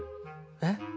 えっ？